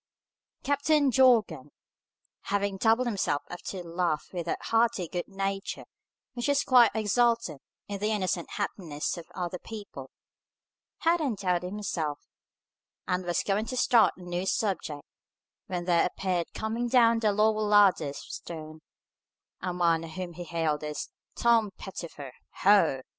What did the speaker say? Captain Jorgan, having doubled himself up to laugh with that hearty good nature which is quite exultant in the innocent happiness of other people, had undoubted himself, and was going to start a new subject, when there appeared coming down the lower ladders of stones, a man whom he hailed as "Tom Pettifer, Ho!"